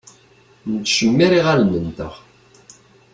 Nettcemmiṛ iɣallen-nteɣ.